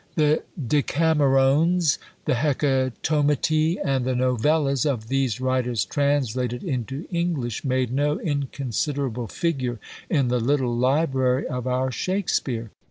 The Decamerones, the Hecatommiti, and the Novellas of these writers, translated into English, made no inconsiderable figure in the little library of our Shakspeare.